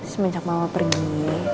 semenjak mama pergi